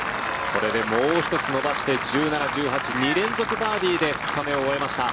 これでもう１つ伸ばして１７、１８２連続バーディーで２日目を終えました。